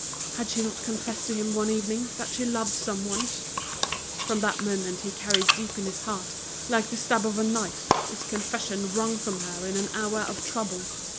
Had she not confessed to him one evening that she loved someone? From that moment he carried deep in his heart, like the stab of a knife, this confession wrung from her in an hour of trouble.